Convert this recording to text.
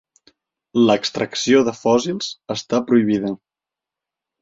L'extracció de fòssils està prohibida.